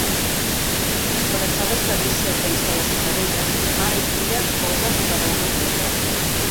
Disfressades d'Alícia al país de les meravelles, mare i filla posen per a una foto.